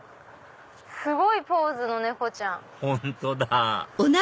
すごいポーズの猫ちゃん。